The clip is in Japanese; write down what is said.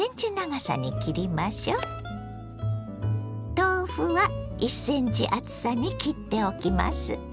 豆腐は１ｃｍ厚さに切っておきます。